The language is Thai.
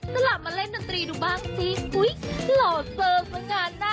สลับมาเล่นดันตรีดูบ้างสิหุ้ยหล่อเซอร์ฟะงานน่ะ